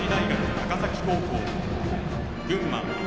高崎高校群馬。